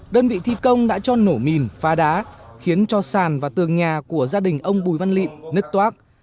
đơn vị thi công đã cho nổ mìn phá đá khiến cho sàn và tường nhà của gia đình ông bùi văn lịn nứt toác